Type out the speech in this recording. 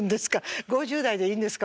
５０代でいいんですか？